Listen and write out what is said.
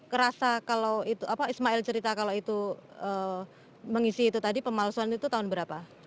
kerasa kalau itu apa ismail cerita kalau itu mengisi itu tadi pemalsuan itu tahun berapa